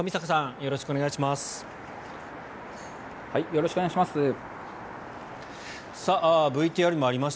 よろしくお願いします。